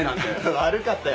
悪かったよ。